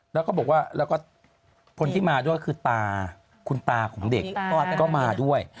แล้วก็บอกว่าแล้วก็คนที่มาด้วยคือตาคุณตาของเด็กก็มาด้วย